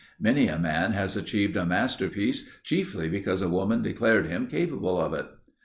Many a man has achieved a masterpiece chiefly because a woman declared him capable of it.